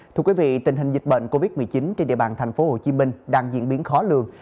thưa quý vị tình hình dịch bệnh covid một mươi chín trên địa bàn thành phố hồ chí minh đang diễn biến khó lường